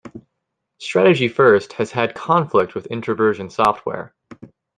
Strategy First has had conflict with Introversion Software.